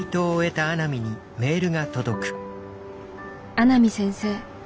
「阿南先生。